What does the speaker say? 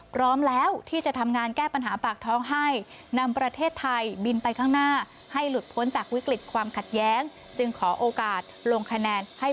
พร้อมแล้วที่จะทำงานแก้ปัญหาปากท้องให้